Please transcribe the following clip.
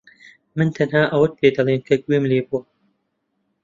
من تەنها ئەوەت پێدەڵێم کە گوێم لێ بووە.